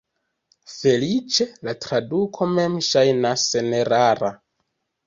Feliĉe, la traduko mem ŝajnas senerara.